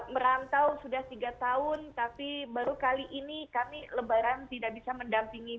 merantau sudah tiga tahun tapi baru kali ini kami lebaran tidak bisa mendampingi